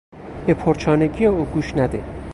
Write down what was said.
به پرچانگی او گوش نده.